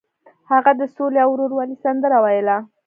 هغه د سولې او ورورولۍ سندره ویله.